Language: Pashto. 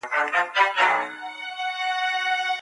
کله خاوند بلي نکاح ته مجبوريږي؟